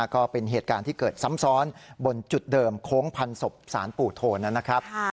ก็เป็นเหตุการณ์ที่เกิดซ้ำซ้อนบนจุดเดิมโค้งพันศพสารปู่โทนนะครับ